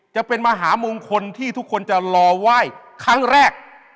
จะเป็นมหามงคลที่ทุกคนจะรอไหว้ครั้งแรก